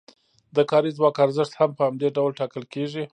د کاري ځواک ارزښت هم په همدې ډول ټاکل کیږي.